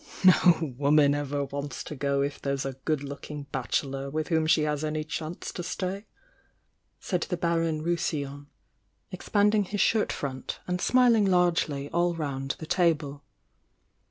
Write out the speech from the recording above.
No woman ever wants to go if there's a good looking bachelor with whom she has any chance to stay! swd the Baron Rousillon, expanding his shirt iront and smihng largely all round the table.